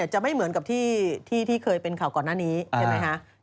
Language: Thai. จะไม่เหมือนกับที่เคยเป็นข่าวก่อนหน้านี้ใช่ไหมคะ